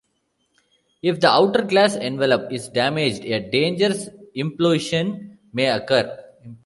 If the outer glass envelope is damaged, a dangerous implosion may occur.